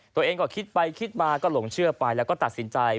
ตัวเองก็คิดไปคิดมาก็หลงเชื่อไปแล้วก็ตัดสินใจ